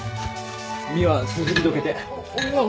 美和すずりどけて。